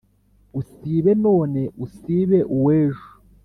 Usibe none, usibe uw’ejo